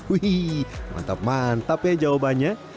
wih mantap mantap ya jawabannya